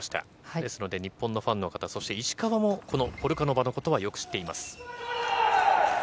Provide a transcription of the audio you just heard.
ですので、日本のファンの方、そして石川もこのポルカノバのことはよく知っています。